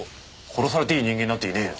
殺されていい人間なんていねえよ。